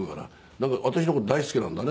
なんか私の事大好きなんだね